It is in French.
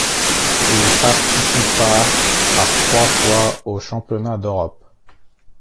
Il participa par trois fois aux Championnats d'Europe.